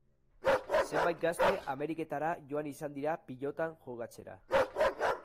Zenbait gazte Ameriketara joan izan dira pilotan jokatzera.